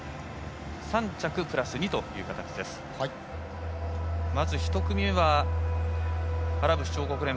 ３着プラス２という形です。